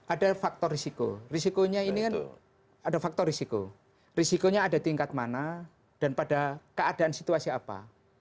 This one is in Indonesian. ada faktor risiko risikonya ini kan ada faktor risiko risikonya ada tingkat mana dan pada keadaan situasi apa